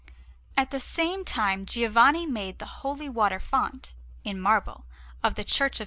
At the same time Giovanni made the holy water font, in marble, of the Church of S.